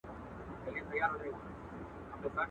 هر مېړه یې تر برېتو په وینو سور دی.